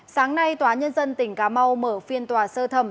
sáng nay tòa nhân dân tỉnh cà mau mở phiên tòa sơ thẩm